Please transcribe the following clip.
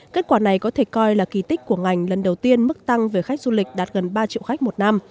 kết quả này có thể coi là kỳ tích của ngành lần đầu tiên mức tăng về khách du lịch đạt gần ba triệu khách một năm